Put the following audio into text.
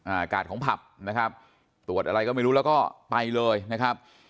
อากาศของผับนะครับตรวจอะไรก็ไม่รู้แล้วก็ไปเลยนะครับ